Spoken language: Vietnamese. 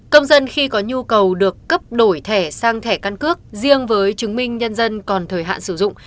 công dân khi có nhu cầu được cấp đổi thẻ sang thẻ căn cước riêng với chứng minh nhân dân còn thời hạn sử dụng